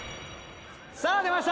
さぁ出ました！